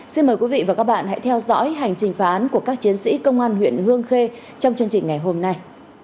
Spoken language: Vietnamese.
xin mời quý vị và các bạn hãy theo dõi hành trình phá án của các chiến sĩ công an huyện hương khê trong chương trình ngày hôm nay